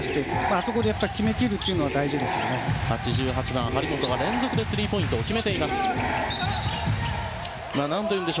あそこで決めきることも８８番、張本が連続でスリーポイントを決めています。